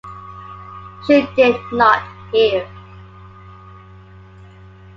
She did not hear.